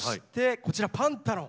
こちらパンタロン！